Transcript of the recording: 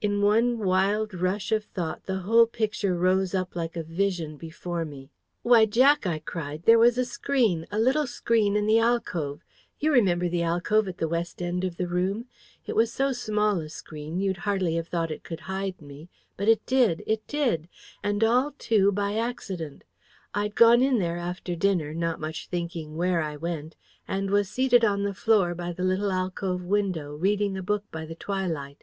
In one wild rush of thought the whole picture rose up like a vision before me. "Why, Jack," I cried, "there was a screen, a little screen in the alcove! You remember the alcove at the west end of the room. It was so small a screen, you'd hardly have thought it could hide me; but it did it did and all, too, by accident. I'd gone in there after dinner, not much thinking where I went, and was seated on the floor by the little alcove window, reading a book by the twilight.